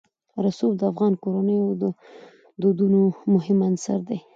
رسوب د افغان کورنیو د دودونو مهم عنصر دی.